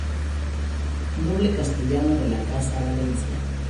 Noble castellano de la casa de Valencia.